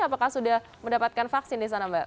apakah sudah mendapatkan vaksin di sana mbak